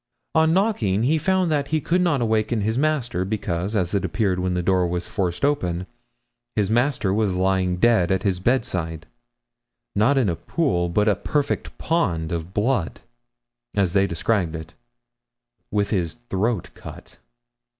On knocking he found that he could not awaken his master, because, as it appeared when the door was forced open, his master was lying dead at his bedside, not in a pool, but a perfect pond of blood, as they described it, with his throat cut.'